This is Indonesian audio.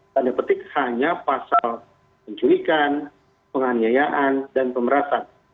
tanda petik hanya pasal penculikan penganiayaan dan pemerasan